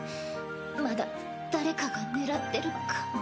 まだ誰かが狙ってるかも。